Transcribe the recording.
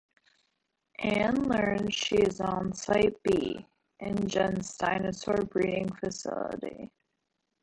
Anne learns she is on Site B, InGen's dinosaur breeding facility.